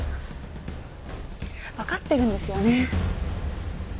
わかってるんですよね。